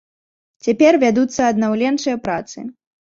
Цяпер вядуцца аднаўленчыя працы.